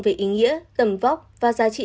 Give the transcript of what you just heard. về ý nghĩa tầm vóc và giá trị